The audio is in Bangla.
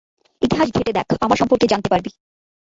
ইতিহাস ঘেটে দেখ, আমার সম্পর্কে জানতে পারবি।